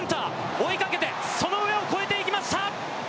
追いかけてその上を越えていきました！